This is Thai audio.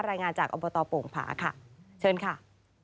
รายงานจากอบตโป่งผาค่ะเชิญค่ะ